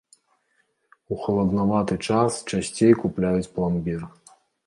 У халаднаваты час часцей купляюць пламбір.